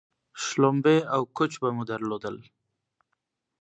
شلومبې او کوچ به مو درلودل